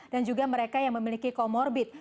dan juga mereka yang memiliki comorbid